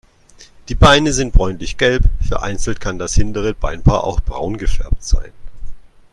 Die Beine sind bräunlichgelb, vereinzelt kann das hintere Beinpaar auch braun gefärbt sein.